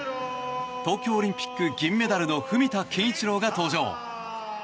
東京オリンピック銀メダルの文田健一郎が登場。